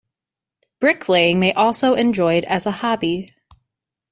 Bricklaying may also enjoyed as a hobby.